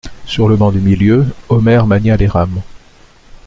Sur le banc du milieu, Omer mania les rames.